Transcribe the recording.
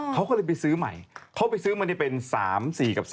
เขาก็เลยไปซื้อใหม่เขาไปซื้อมาได้เป็น๓๔กับ๓